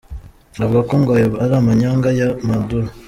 Avuga ko ngo ayo ari amanyanga ya Maduro.